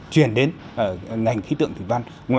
truyền đến ngành khí tượng thử văn